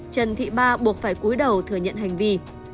trần thị ba buộc phải cuối đầu thừa nhận hành vi